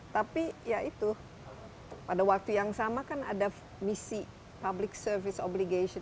tapi ya itu pada waktu yang sama kan ada misi public service obligation